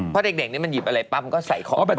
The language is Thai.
เพราะเด็กนี้มันหยิบอะไรปั๊บมันก็ใส่ของ